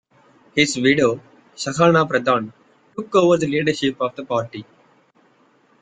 His widow, Sahana Pradhan, took over the leadership of the party.